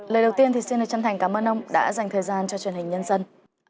lời đầu tiên thì xin chân thành cảm ơn ông đã dành thời gian cho truyền hình nhân dân